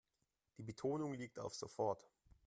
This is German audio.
Die Betonung liegt auf sofort.